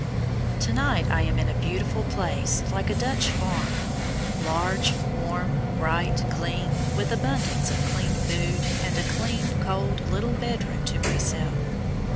To night I am in a beautiful place like a Dutch farm large, warm, bright, clean, with abundance of clean food, and a clean, cold little bedroom to myself.